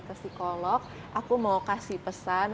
ke psikolog aku mau kasih pesan